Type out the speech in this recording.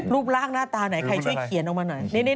รูปร่างหน้าตาไหนใครช่วยเขียนออกมาหน่อย